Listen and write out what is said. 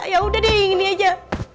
ya udah deh ini aja